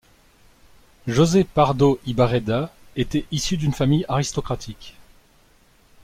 José Pardo y Barreda était issu d'une famille aristocratique.